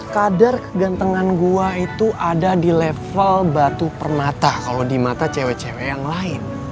kadar kegantengan gua itu ada di level batu permata kalau di mata cewek cewek yang lain